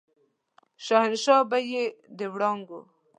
شهنشاه به يې د وړانګو